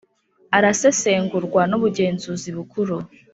arasesengurwa n ubugenzuzi bukuru